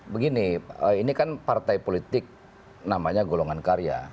begini ini kan partai politik namanya golongan karya